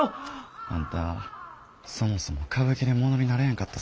あんたそもそも歌舞伎でものになれへんかった